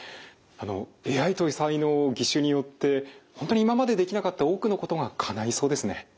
ＡＩ搭載の義手によって本当に今までできなかった多くのことがかないそうですね。